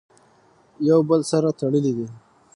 يو د بل سره تړلي دي!!.